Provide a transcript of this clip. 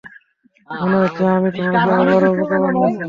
মনে হচ্ছে আমি তোমাকে আবারও বোকা বানিয়েছি।